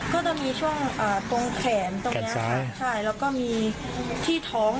ก็จะมีช่วงตรงแขนตรงนี้ค่ะใช่แล้วก็มีที่ท้อง